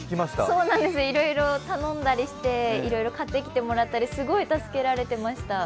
そうなんです、いろいろ頼んだりして、いろいろ買ってきてもらったりすごい助けられてました。